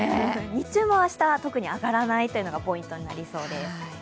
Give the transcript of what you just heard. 日中も明日、特に上がらないというのがポイントになりそうです。